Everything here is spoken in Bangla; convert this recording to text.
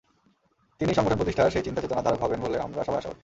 তিনিই সংগঠন প্রতিষ্ঠার সেই চিন্তা-চেতনার ধারক হবেন বলে আমরা সবাই আশাবাদী।